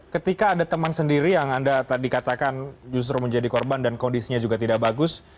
ketika ada teman sendiri yang anda tadi katakan justru menjadi korban dan kondisinya juga tidak bagus